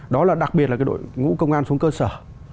đó là đặc biệt là cái đội ngũ công an xuống cơ sở